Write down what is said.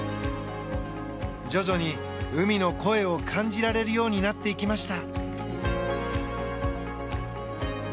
徐々に海の声を感じられるようになっていきました。